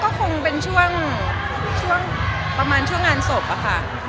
ก็คงเป็นช่วงประมาณช่วงงานศพอะค่ะ